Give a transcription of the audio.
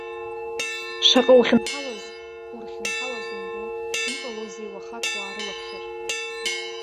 Шаҟа ухьынҳалаз, урхьынҳалаз умбо, иҟалозеи уахак уаарылаԥхьар?